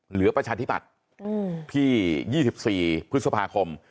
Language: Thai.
เหลือประชาธิปัตย์ที่๒๔พฤษภาคม